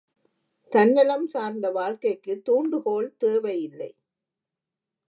தன்னலம் சார்ந்த வாழ்க்கைக்கு தூண்டுகோல் தேவையில்லை.